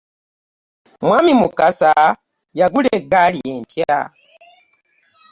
Mwami Mukasa yagula eggaali empya.